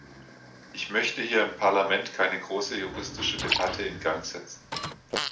Ich möchte hier im Parlament keine große juristische Debatte in Gang setzen.